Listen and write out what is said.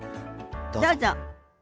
どうぞ。